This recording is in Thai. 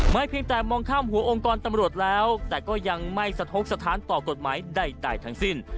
เพียงแต่มองข้ามหัวองค์กรตำรวจแล้วแต่ก็ยังไม่สะทกสถานต่อกฎหมายใดทั้งสิ้น